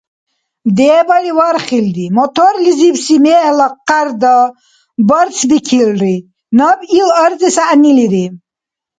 Дебали вархилри: моторлизибси мегьла къярда барцбикилри, наб ил арзес гӀягӀнилири.